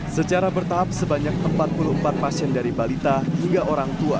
secara bertahap sebanyak empat puluh empat pasien dari balita hingga orang tua